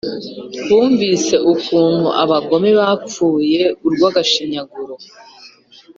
bumvise ukuntu abagome bapfuye urw’agashinyaguro,